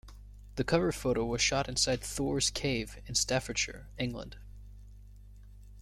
The cover photo was shot inside Thor's Cave in Staffordshire, England.